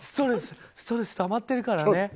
ストレスたまってるからね。